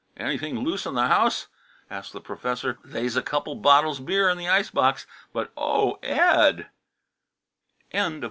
"Anything loose in the house?" asked the professor. "They's a couple bottles beer in the icebox, but Oh, Ed!"